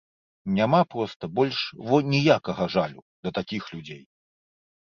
Няма проста больш во ніякага жалю да такіх людзей.